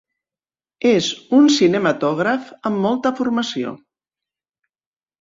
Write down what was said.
És un cinematògraf amb molta formació.